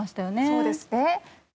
そうですね。